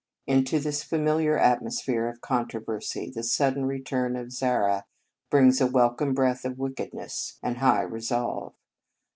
Into this familiar at mosphere of controversy the sudden return of Zara brings a welcome breath of wickedness and high re solve.